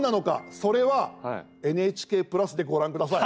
それはＮＨＫプラスでご覧ください。